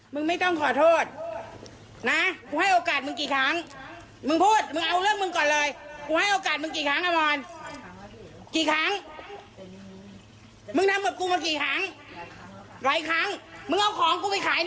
มึงพูดมึงเอาเรื่องมึงก่อนเลย